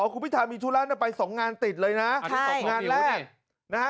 ครูพิธามีธุระนะไปสองงานติดเลยนะ